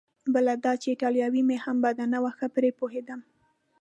بله دا چې ایټالوي مې هم بده نه وه، ښه پرې پوهېدم.